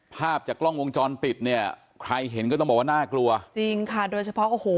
ภาพจากกล้องวงจรปิดเนี่ยใครเห็นก็ต้องบอกว่าน่ากลัวจริงค่ะโดยเฉพาะโอ้โห